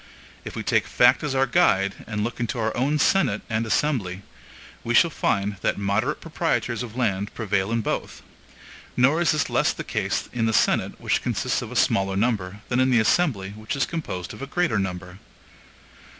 If we take fact as our guide, and look into our own senate and assembly, we shall find that moderate proprietors of land prevail in both; nor is this less the case in the senate, which consists of a smaller number, than in the assembly, which is composed of a greater number.